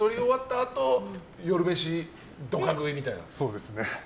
あと夕飯どか食いみたいな？